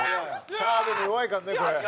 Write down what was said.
澤部も弱いからねこれ」